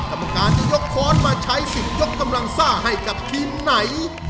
กรรมการจะยกค้อนมาใช้สิทธิ์ยกกำลังซ่าให้กับทีมไหน